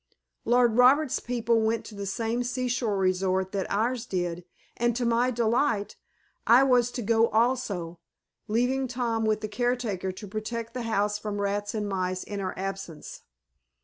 Lord Roberts' people went to the same seashore resort that ours did and, to my delight, I was to go also, leaving Tom with the caretaker to protect the house from rats and mice in our absence.